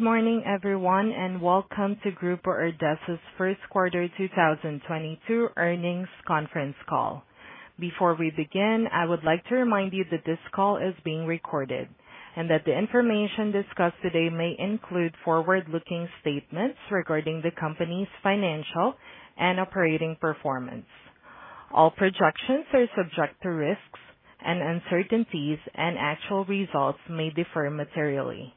Good morning everyone and welcome to Grupo Herdez's Q1 2022 earnings conference call. Before we begin, I would like to remind you that this call is being recorded and that the information discussed today may include forward-looking statements regarding the company's financial and operating performance. All projections are subject to risks and uncertainties, and actual results may differ materially.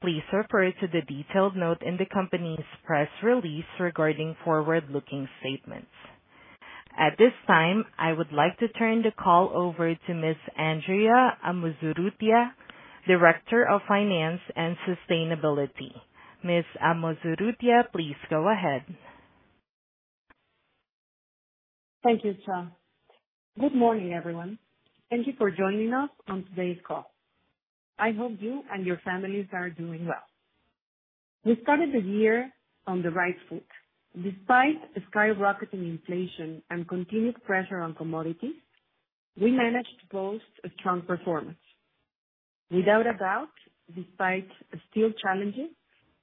Please refer to the detailed note in the company's press release regarding forward-looking statements. At this time, I would like to turn the call over to Ms. Andrea Amozurrutia, Director of Finance and Sustainability. Ms. Amozurrutia, please go ahead. Thank you, Cha. Good morning everyone. Thank you for joining us on today's call. I hope you and your families are doing well. We started the year on the right foot. Despite the skyrocketing inflation and continued pressure on commodities, we managed to post a strong performance. Without a doubt, despite still challenges,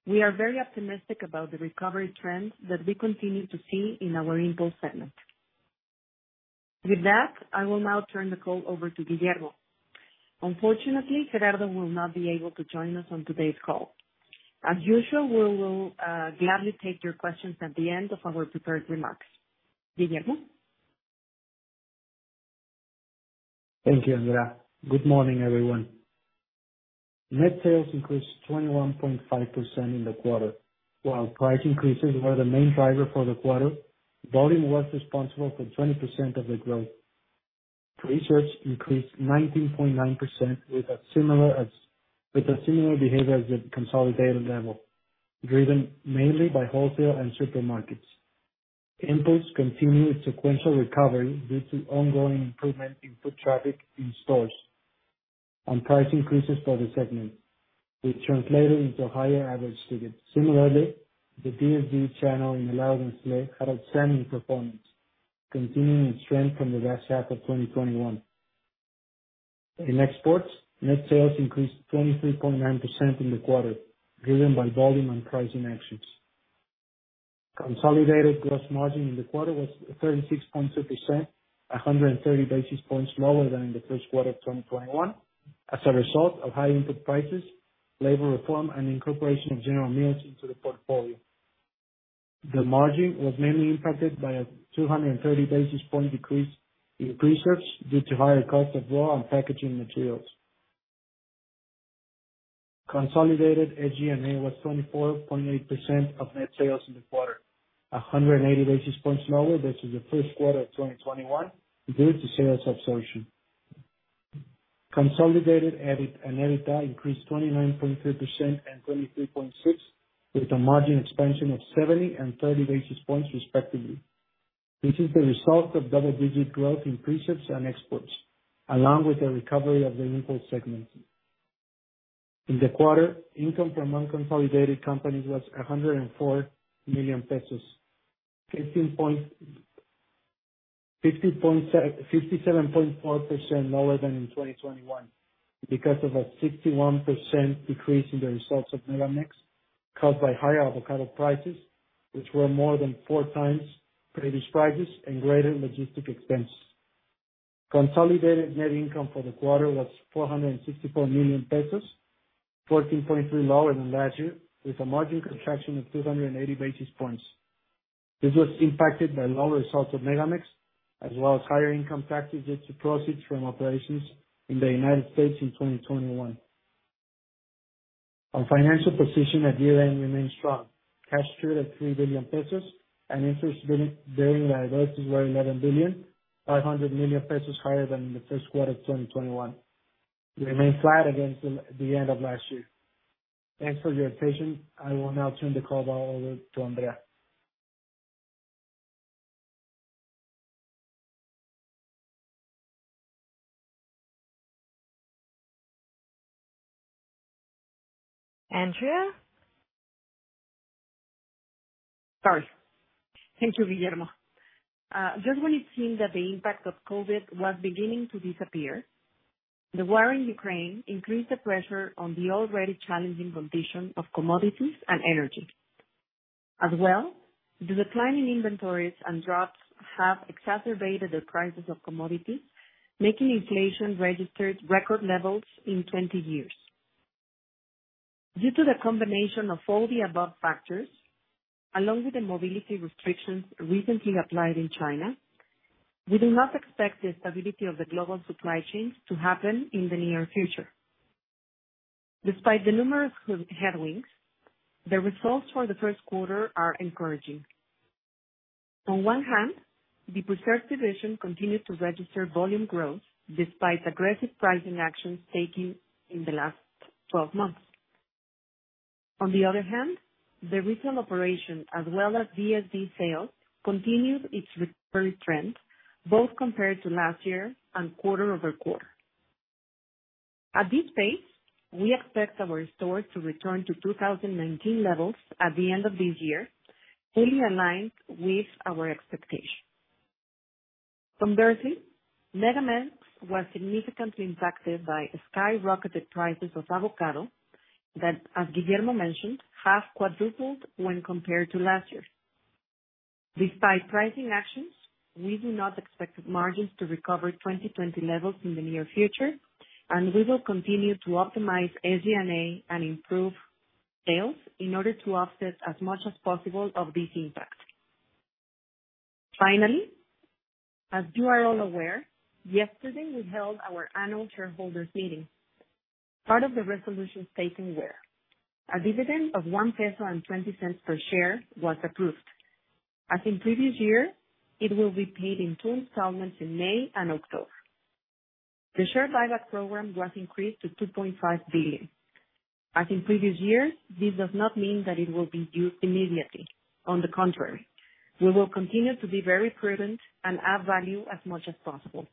we are very optimistic about the recovery trends that we continue to see in our Impulse segment. With that, I will now turn the call over to Guillermo. Unfortunately, Gerardo will not be able to join us on today's call. As usual, we will gladly take your questions at the end of our prepared remarks. Guillermo? Thank you, Andrea. Good morning everyone. Net sales increased 21.5% in the quarter. While price increases were the main driver for the quarter, volume was responsible for 20% of the growth. Preserves increased 19.9% with a similar behavior as the consolidated level, driven mainly by wholesale and supermarkets. Imports continued sequential recovery due to ongoing improvement in foot traffic in stores and price increases for the segment, which translated into higher average ticket. Similarly, the DSD channel had outstanding performance, continuing its trend from the last half of 2021. In exports, net sales increased 23.9% in the quarter, driven by volume and pricing actions. Consolidated gross margin in the quarter was 36.2%, 130 basis points lower than in the Q1 of 2021. As a result of high input prices, labor reform and incorporation of General Mills into the portfolio. The margin was mainly impacted by a 230 basis point decrease in Preserves due to higher cost of raw and packaging materials. Consolidated EBITDA was 24.8% of net sales in the quarter, 180 basis points lower than the Q1 of 2021 due to sales absorption. Consolidated EBIT and EBITDA increased 29.3% and 23.6%, with a margin expansion of 70 and 30 basis points respectively. This is the result of double-digit growth in Preserves and exports, along with the recovery of the import segment. In the quarter, income from unconsolidated companies was 104 million pesos, 15 point... 57.4% lower than in 2021 because of a 61% decrease in the results of MegaMex, caused by higher avocado prices, which were more than four times previous prices and greater logistics expense. Consolidated net income for the quarter was 464 million pesos, 14.3% lower than last year, with a margin contraction of 280 basis points. This was impacted by lower results of MegaMex, as well as higher income taxes due to proceeds from operations in the United States in 2021. Our financial position at year-end remains strong. Cash stood at three billion pesos and interest-bearing liabilities were 11.5 billion, higher than in the Q1 of 2021. We remain flat against the end of last year. Thanks for your patience. I will now turn the call back over to Andrea. Andrea? Thank you, Guillermo. Just when it seemed that the impact of COVID was beginning to disappear, the war in Ukraine increased the pressure on the already challenging condition of commodities and energy. As well, the decline in inventories and droughts have exacerbated the prices of commodities, making inflation registered record levels in 20 years. Due to the combination of all the above factors, along with the mobility restrictions recently applied in China, we do not expect the stability of the global supply chains to happen in the near future. Despite the numerous headwinds, the results for the Q1 are encouraging. On one hand, the Preserves division continued to register volume growth despite aggressive pricing actions taken in the last 12 months. On the other hand, the retail operation as well as DSD sales continued its recovery trend, both compared to last year and quarter-over-quarter. At this pace, we expect our stores to return to 2019 levels at the end of this year, fully aligned with our expectations. MegaMex was significantly impacted by skyrocketed prices of avocado that, as Guillermo mentioned, have quadrupled when compared to last year’s. Despite pricing actions, we do not expect margins to recover 2020 levels in the near future, and we will continue to optimize SG&A and improve sales in order to offset as much as possible of this impact. Finally, as you are all aware, yesterday we held our annual shareholders meeting. Part of the resolution stating that a dividend of 1.20 peso per share was approved. As in previous year, it will be paid in two installments in May and October. The share buyback program was increased to 2.5 billion. As in previous years, this does not mean that it will be used immediately. On the contrary, we will continue to be very prudent and add value as much as possible.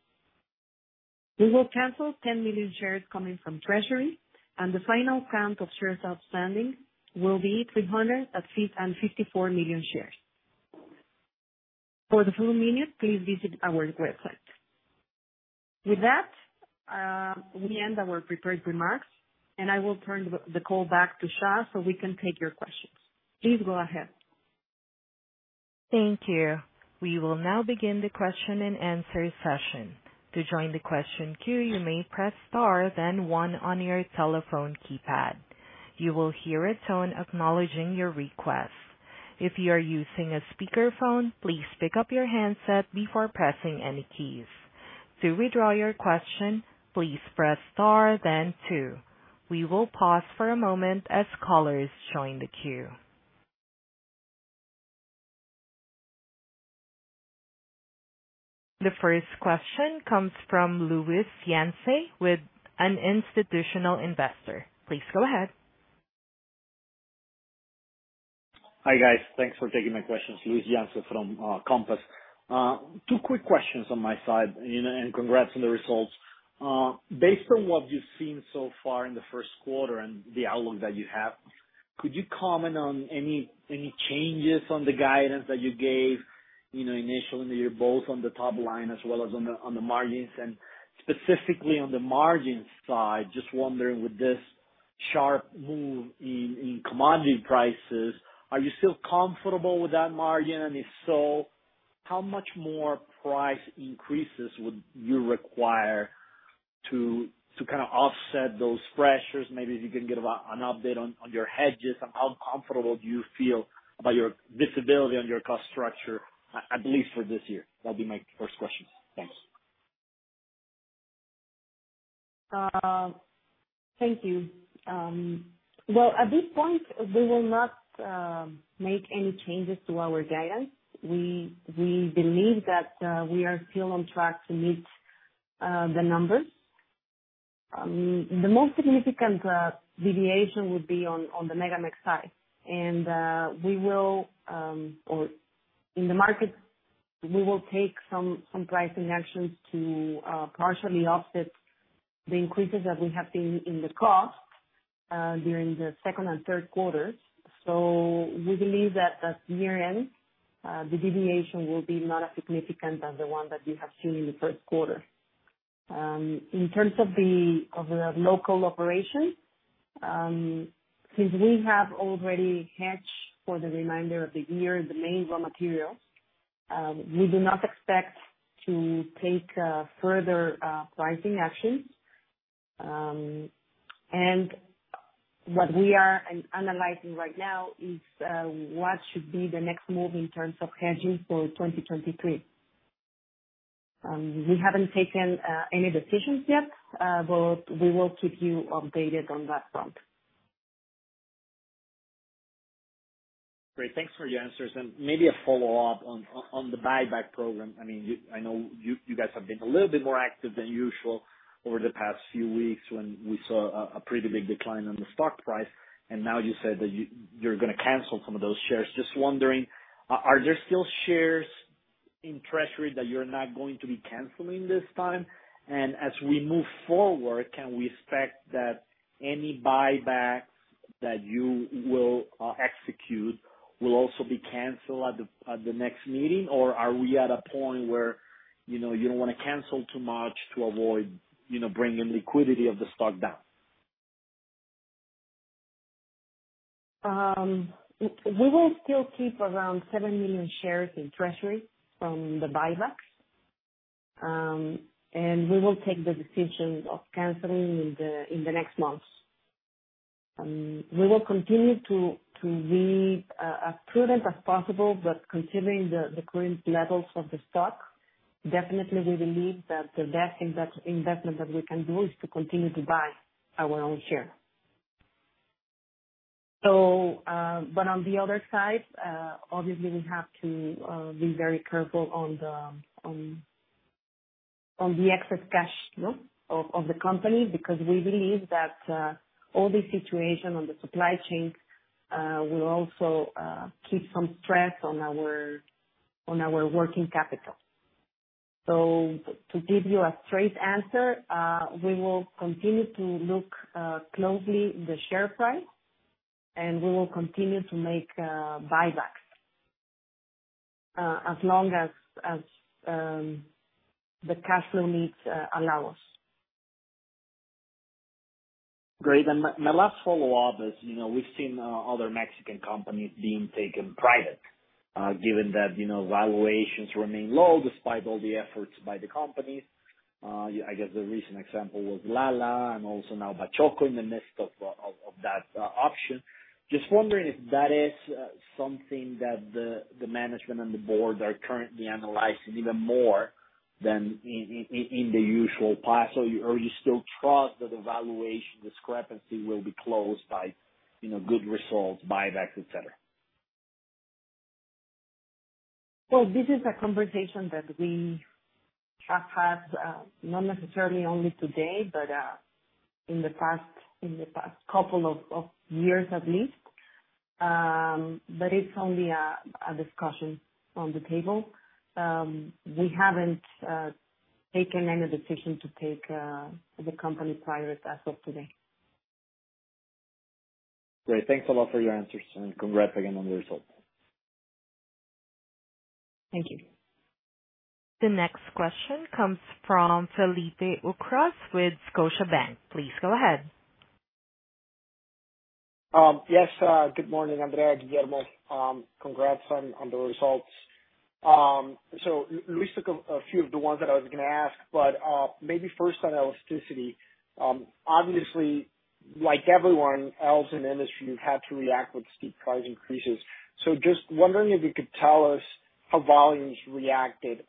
We will cancel 10 million shares coming from Treasury, and the final count of shares outstanding will be 354 million shares. For the full minutes, please visit our website. With that, we end our prepared remarks, and I will turn the call back to Shaw so we can take your questions. Please go ahead. Thank you. We will now begin the question-and-answer session. To join the question queue, you may press star then one on your telephone keypad. You will hear a tone acknowledging your request. If you are using a speakerphone, please pick up your handset before pressing any keys. To withdraw your question, please press star then two. We will pause for a moment as callers join the queue. The first question comes from Luis Yance with an institutional investor. Please go ahead. Hi, guys. Thanks for taking my questions. Luis Yance from Compass. Two quick questions on my side, you know, and congrats on the results. Based on what you've seen so far in the Q1 and the outlook that you have, could you comment on any changes on the guidance that you gave, you know, initially in the year, both on the top line as well as on the margins? And specifically on the margin side, just wondering with this sharp move in commodity prices, are you still comfortable with that margin? And if so, how much more price increases would you require to kind of offset those pressures? Maybe if you can give us an update on your hedges and how comfortable do you feel about your visibility on your cost structure, at least for this year? That'd be my first question. Thanks. Thank you. Well, at this point, we will not make any changes to our guidance. We believe that we are still on track to meet the numbers. The most significant deviation would be on the MegaMex side. In the market, we will take some pricing actions to partially offset the increases that we have seen in the costs during the Q2 and Q3. So we believe that at year-end the deviation will be not as significant as the one that you have seen in the Q1. In terms of the local operations, since we have already hedged for the remainder of the year the main raw materials, we do not expect to take further pricing actions. And what we are analyzing right now is what should be the next move in terms of hedging for 2023. We haven't taken any decisions yet, but we will keep you updated on that front. Great. Thanks for your answers. And maybe a follow-up on the buyback program. I mean, I know you guys have been a little bit more active than usual over the past few weeks when we saw a pretty big decline on the stock price. And now you said that you're gonna cancel some of those shares. Just wondering, are there still shares in Treasury that you're not going to be canceling this time? And as we move forward, can we expect that any buybacks that you will execute will also be canceled at the next meeting? Or are we at a point where you know you don't wanna cancel too much to avoid you know bringing liquidity of the stock down? We will still keep around seven million shares in Treasury from the buybacks. And we will take the decision of canceling in the next months. We will continue to be as prudent as possible. But considering the current levels of the stock, definitely we believe that the best investment that we can do is to continue to buy our own shares. So, but on the other side, obviously we have to be very careful on the excess cash flow of the company because we believe that all this situation on the supply chain will also keep some stress on our working capital. So to give you a straight answer, we will continue to look closely at the share price. We will continue to make buybacks as long as the cash flow needs allow us. Great. My last follow-up is, you know, we've seen other Mexican companies being taken private, given that, you know, valuations remain low despite all the efforts by the companies. I guess the recent example was Lala and also now Bachoco in the midst of that option. Just wondering if that is something that the management and the board are currently analyzing even more than in the usual pace or you still trust that the valuation discrepancy will be closed by, you know, good results, buybacks, et cetera? Well, this is a conversation that we have had, not necessarily only today, but in the past couple of years at least. It's only a discussion on the table. We haven't taken any decision to take the company private as of today. Great. Thanks a lot for your answers, and congrats again on the results. Thank you. The next question comes from Felipe Ucros with Scotiabank. Please go ahead. Yes. Good morning, Andrea, Guillermo. Congrats on the results. So Luis took a few of the ones that I was gonna ask, but maybe first on elasticity. Obviously, like everyone else in the industry, you've had to react with steep price increases. So just wondering if you could tell us how volumes reacted.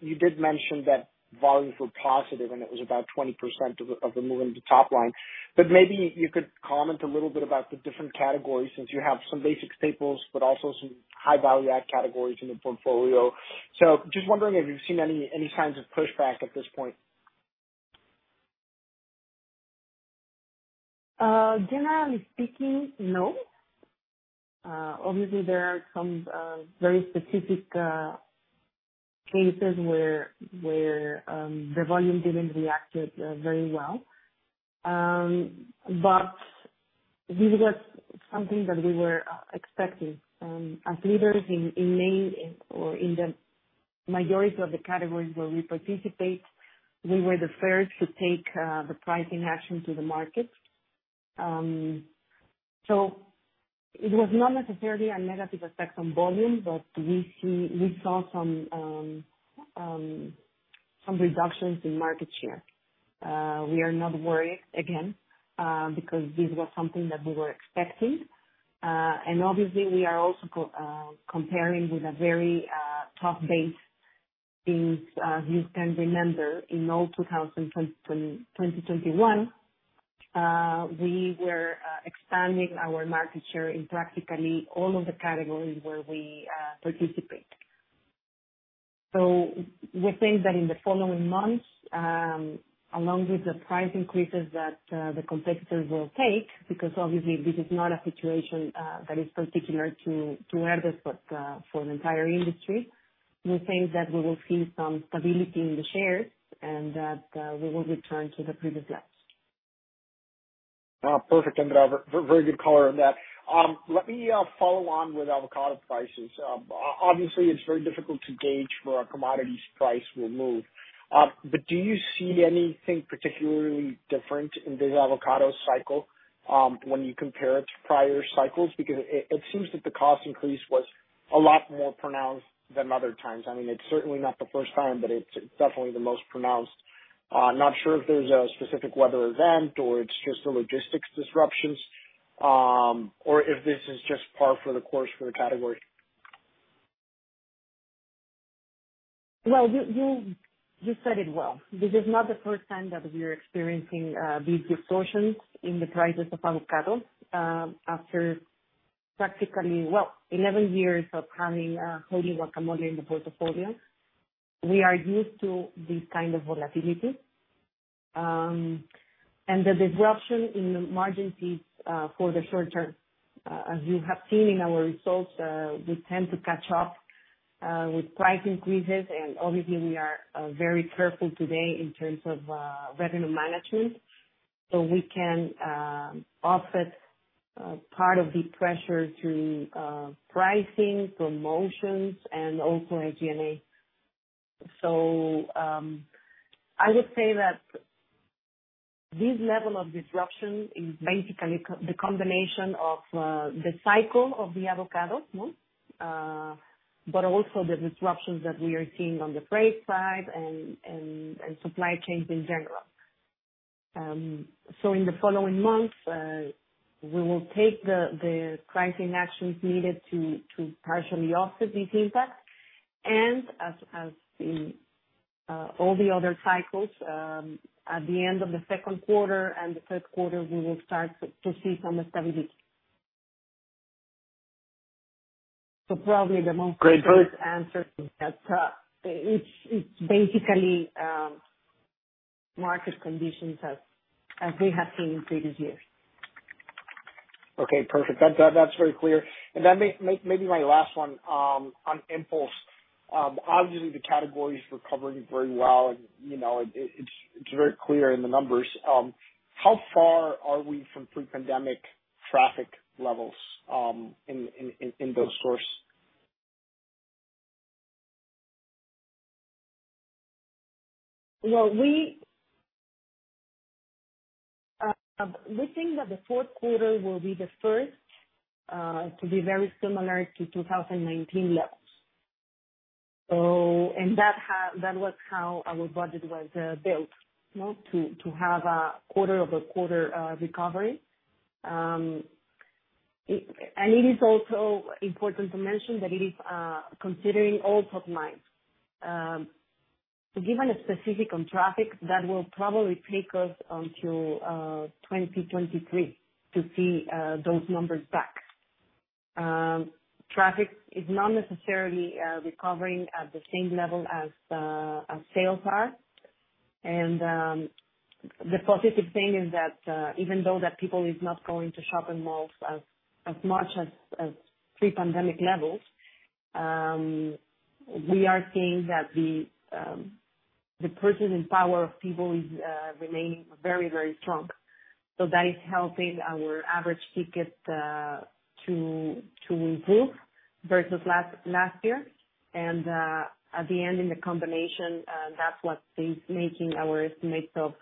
You did mention that volumes were positive, and it was about 20% of the move in the top line. But maybe you could comment a little bit about the different categories since you have some basic staples, but also some high value add categories in the portfolio. So just wondering if you've seen any signs of pushback at this point. Generally speaking, no. Obviously there are some very specific cases where the volume didn't react very well. But this was something that we were expecting. As leaders in the majority of the categories where we participate, we were the first to take the pricing action to the market. So it was not necessarily a negative effect on volume, but we saw some reductions in market share. We are not worried again, because this was something that we were expecting. And obviously we are also comparing with a very tough base since you can remember in all 2021, we were expanding our market share in practically all of the categories where we participate. So we think that in the following months, along with the price increases that the competitors will take, because obviously this is not a situation that is particular to Herdez but for the entire industry, we think that we will see some stability in the shares and that we will return to the previous levels. Perfect, Andrea. Very good color on that. Let me follow on with avocado prices. Obviously it's very difficult to gauge where a commodities price will move. But do you see anything particularly different in this avocado cycle, when you compare it to prior cycles? Because it seems that the cost increase was a lot more pronounced than other times. I mean, it's certainly not the first time, but it's definitely the most pronounced. Not sure if there's a specific weather event or it's just the logistics disruptions, or if this is just par for the course for the category. Well, you said it well. This is not the first time that we are experiencing these distortions in the prices of avocados. After practically 11 years of having Wholly Guacamole in the portfolio, we are used to this kind of volatility. And the disruption in the margin is for the short term. As you have seen in our results, we tend to catch up with price increases, and obviously we are very careful today in terms of revenue management, so we can offset part of the pressure through pricing, promotions, and also SG&A. So I would say that this level of disruption is basically the combination of the cycle of the avocados, no? But also the disruptions that we are seeing on the freight side and, and supply chains in general. So in the following months, we will take the pricing actions needed to partially offset these impacts. And as in all the other cycles, at the end of the Q2 and the Q3, we will start to see some stability. Probably the most. Great. The brief answer is that it's basically market conditions as we have seen in previous years. Okay, perfect. That's very clear. And then maybe my last one on Impulse. Obviously the category is recovering very well and, you know, it's very clear in the numbers. How far are we from pre-pandemic traffic levels in those stores? Well, we think that the Q4 will be the first to be very similar to 2019 levels. That was how our budget was built, you know, to have a quarter-over-quarter recovery. And it is also important to mention that it is considering all top lines. Given specifics on traffic, that will probably take us until 2023 to see those numbers back. Traffic is not necessarily recovering at the same level as sales are. And the positive thing is that even though people is not going to shop in malls as much as pre-pandemic levels, we are seeing that the purchasing power of people is remain very, very strong. So that is helping our average ticket to, to improve versus last year. And at the end in the combination, that's what is making our estimates of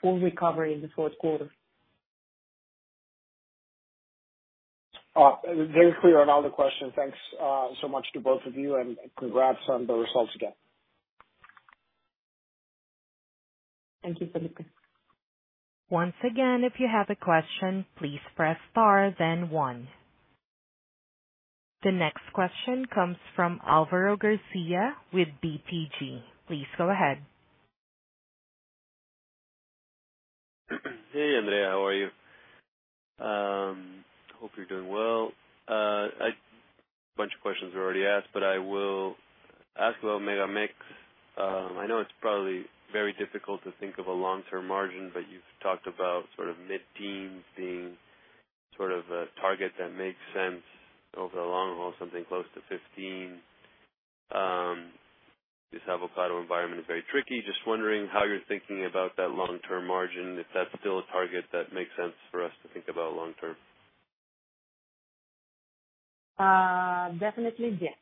full recovery in the Q4. Very clear on all the questions. Thanks, so much to both of you. Congrats on the results again. Thank you, Felipe. Once again, if you have a question, please press star then one. The next question comes from Alvaro Garcia with BTG. Please go ahead. Hey, Andrea, how are you? Hope you're doing well. A bunch of questions were already asked, but I will ask about MegaMex. I know it's probably very difficult to think of a long-term margin, but you've talked about sort of mid-teens being sort of a target that makes sense over the long haul, something close to 15%. This avocado environment is very tricky. Just wondering how you're thinking about that long-term margin, if that's still a target that makes sense for us to think about long term. Definitely yes.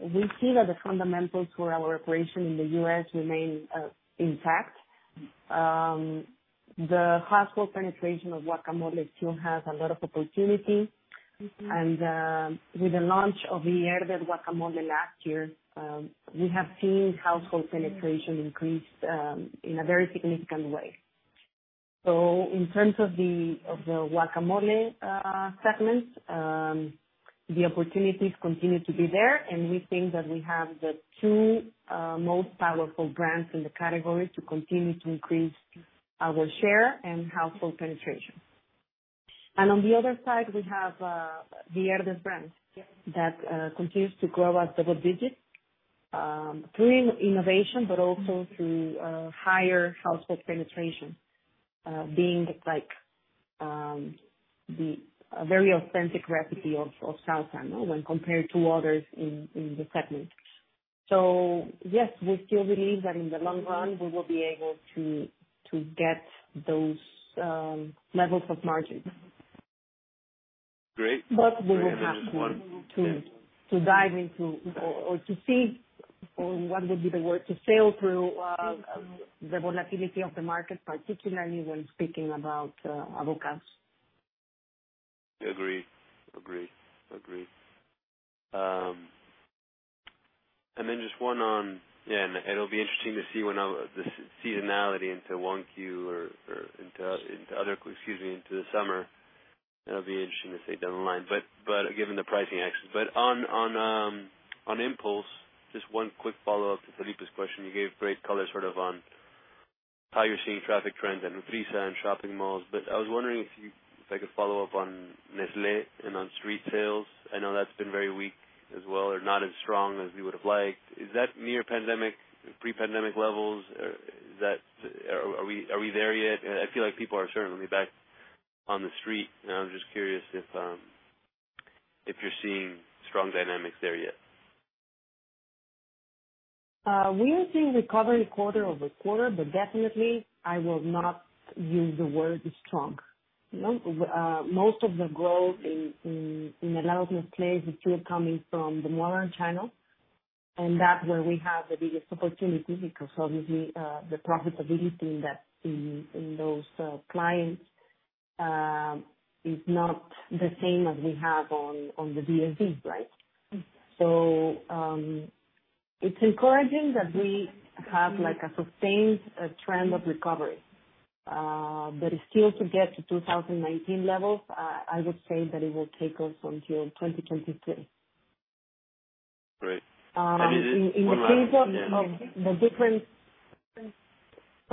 We see that the fundamentals for our operation in the U.S. remain intact. The household penetration of guacamole still has a lot of opportunity. And the with the launch of the Herdez Guacamole last year, we have seen household penetration increase in a very significant way. So in terms of the guacamole segment, the opportunities continue to be there. And we think that we have the two most powerful brands in the category to continue to increase our share and household penetration. On the other side, we have the Herdez brand- Yeah.... That continues to grow at double digits through innovation, but also through higher household penetration, being like the very authentic recipe of salsa, no, when compared to others in the segment. So yes, we still believe that in the long run we will be able to get those levels of margins. Great. We will have to sail through the volatility of the market, particularly when speaking about avocados. Agree, agree, agree. And just wanna... It'll be interesting to see when the seasonality into 1Q or into the summer. It'll be interesting to see down the line. But, but given the pricing action. But on, on Impulse, just one quick follow-up to Felipe's question. You gave great color sort of on how you're seeing traffic trends at Nutrisa and shopping malls. But I was wondering if I could follow up on Nestlé and on street sales. I know that's been very weak as well, or not as strong as we would have liked. Is that near pandemic, pre-pandemic levels? Or is that? Are we there yet? I feel like people are certainly back on the street. And I'm just curious if you're seeing strong dynamics there yet. We are seeing quarter-over-quarter recovery, but definitely I will not use the word strong. You know, most of the growth in the Impulse segment is still coming from the modern channel, and that's where we have the biggest opportunities because obviously, the profitability in that, in those clients, is not the same as we have on the DSD, right? So it's encouraging that we have like a sustained trend of recovery. Still to get to 2019 levels, I would say that it will take us until 2022. Great. Is it? In the case of the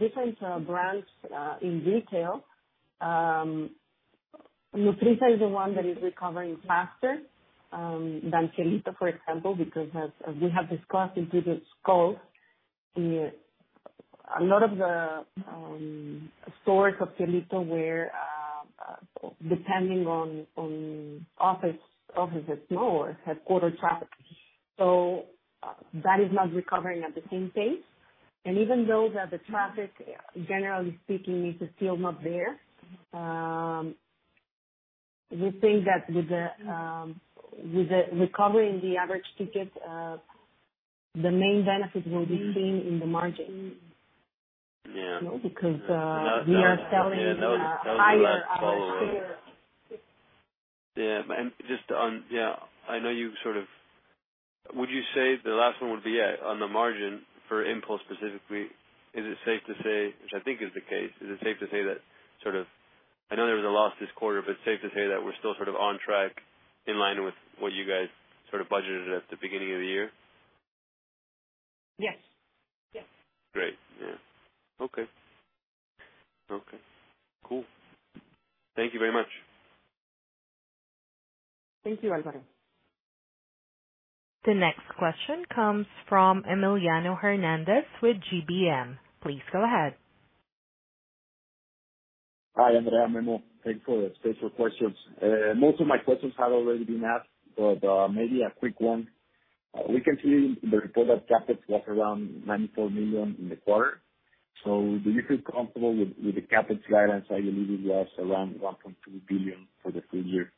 different brands in retail, Nutrisa is the one that is recovering faster than Cielito, for example, because as we have discussed in previous calls, a lot of the stores of Cielito were depending on office traffic more than foot traffic. So that is not recovering at the same pace. And even though the traffic, generally speaking, is still not there, we think that with the recovery in the average ticket, the main benefit will be seen in the margin. Yeah. You know, because we are selling higher average fare. Would you say the last one would be on the margin for Impulse specifically, is it safe to say, which I think is the case, is it safe to say that sort of I know there was a loss this quarter, but it's safe to say that we're still sort of on track in line with what you guys sort of budgeted at the beginning of the year? Yes. Yes. Great. Yeah. Okay, cool. Thank you very much. Thank you, Alvaro. The next question comes from Emiliano Hernández with GBM. Please go ahead. Hi, Andrea. Thank you for the space for questions. Most of my questions have already been asked, but maybe a quick one. We can see the report that CapEx was around 94 million in the quarter. So do you feel comfortable with the CapEx guidance that you needed was around 1.2 billion for the full year?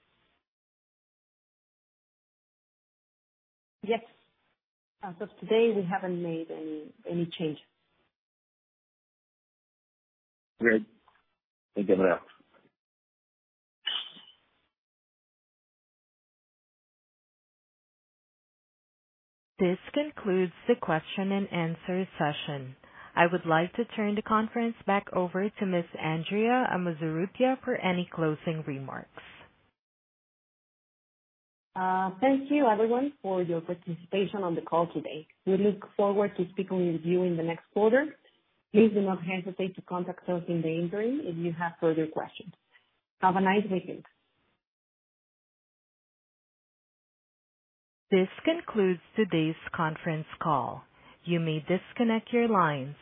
Yes. As of today, we haven't made any changes. Great. Thank you very much. This concludes the question and answer session. I would like to turn the conference back over to Ms. Andrea Amozurrutia for any closing remarks. Thank you everyone for your participation on the call today. We look forward to speaking with you in the next quarter. Please do not hesitate to contact us in the interim if you have further questions. Have a nice weekend. This concludes today's conference call. You may disconnect your lines.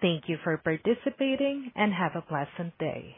Thank you for participating and have a pleasant day.